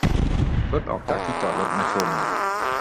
- รถออกจากที่จอดมาชน